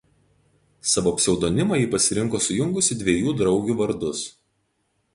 Savo pseudonimą ji pasirinko sujungusi dviejų draugių vardus.